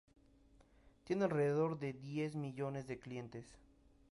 Tiene alrededor de diez millones de clientes.